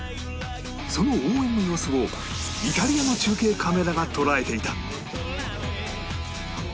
その応援の様子をイタリアの中継カメラが捉えていた